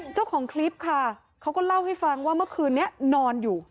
เจ้าของคลิปค่ะเขาก็เล่าให้ฟังว่าเมื่อคืนนี้นอนอยู่